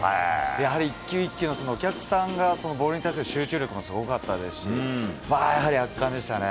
やはり一球一球のお客さんが、ボールに対する集中力もすごかったですし、やはり圧巻でしたね。